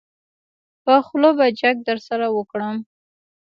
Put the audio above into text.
په خوله به جګ درسره وکړم.